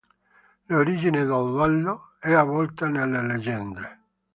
L'origine del ballo è avvolta nelle leggende.